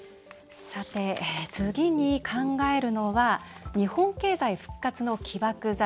次に考えるのは日本経済復活の起爆剤。